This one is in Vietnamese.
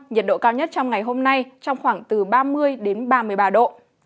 nhiệt độ cao nhất trong ngày hôm nay trong khoảng từ ba mươi đến ba mươi ba độ